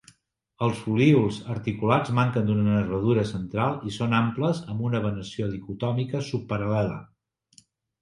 Els folíols articulats manquen d'una nervadura central, i són amples amb una venació dicotòmica subparal·lela.